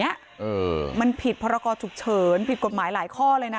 เออมันผิดพรกรฉุกเฉินผิดกฎหมายหลายข้อเลยนะ